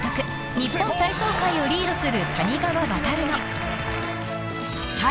［日本体操界をリードする］